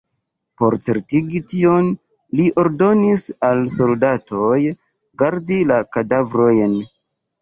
Por certigi tion, li ordonis al soldatoj gardi la kadavrojn.